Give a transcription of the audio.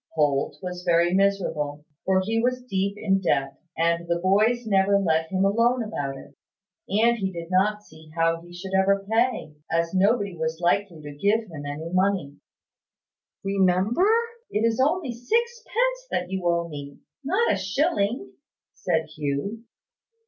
Holt was very miserable, for he was deep in debt, and the boys never let him alone about it; and he did not see how he should ever pay, as nobody was likely to give him any money. "Remember, it is only sixpence that you owe me not a shilling," said Hugh.